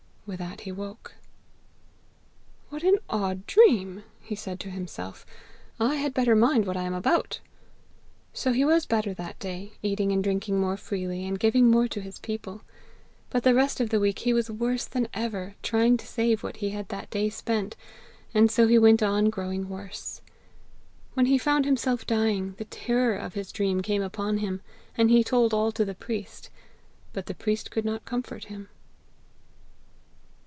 With that he woke. "'What an odd dream!' he said to himself. 'I had better mind what I am about!' So he was better that day, eating and drinking more freely, and giving more to his people. But the rest of the week he was worse than ever, trying to save what he had that day spent, and so he went on growing worse. When he found himself dying, the terror of his dream came upon him, and he told all to the priest. But the priest could not comfort him."